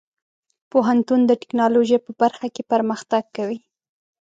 پوهنتون د ټیکنالوژۍ په برخه کې پرمختګ کوي.